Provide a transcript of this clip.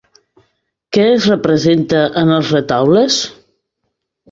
Què es representa en els retaules?